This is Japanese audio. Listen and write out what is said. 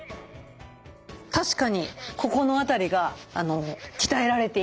確かにここの辺りが鍛えられている感じがします。